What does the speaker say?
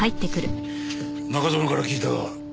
中園から聞いた。